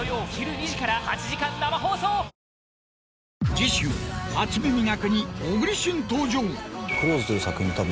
次週『初耳学』に小栗旬登場。